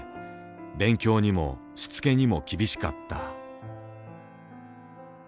勉強にもしつけにも厳しかった。